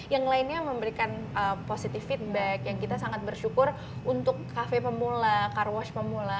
yang lainnya memberikan positive feedback yang kita sangat bersyukur untuk kafe pemula car wash pemula